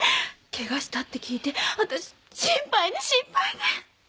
ケガしたって聞いてわたし心配で心配で。